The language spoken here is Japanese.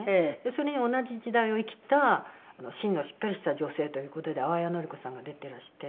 それに同じ時代を生きた芯のしっかりした女性という事で淡谷のり子さんが出てらして。